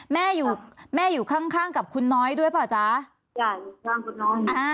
แม่อยู่แม่อยู่ข้างข้างกับคุณน้อยด้วยเปล่าจ๊ะจ้ะอยู่ข้างคุณน้อยอ่า